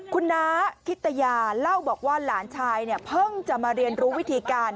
คุณน้าคิตยาเล่าบอกว่าหลานชายเนี่ยเพิ่งจะมาเรียนรู้วิธีการ